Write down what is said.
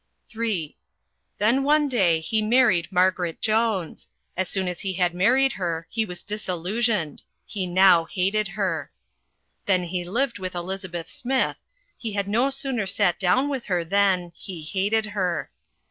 (III) Then, one day, he married Margaret Jones. As soon as he had married her He was disillusioned. He now hated her. Then he lived with Elizabeth Smith He had no sooner sat down with her than He hated her.